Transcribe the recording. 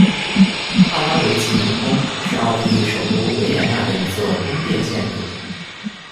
帕拉维奇尼宫是奥地利首都维也纳的一座宫殿建筑。